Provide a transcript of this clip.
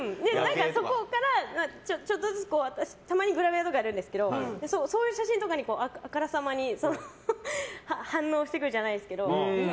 そこからちょっとずつたまに私はグラビアやるんですがそういう写真とかにあからさまに反応してくるじゃないですけど。